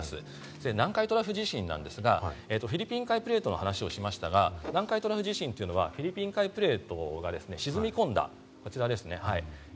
南海トラフ地震ですが、フィリピン海プレートの話をしましたが、南海トラフ地震というのは、フィリピン海プレートが沈み込んだ、こちらですね。